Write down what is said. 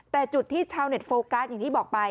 แต่จุดที่ชาวเน็ตโฟกัสอย่างที่บอกไป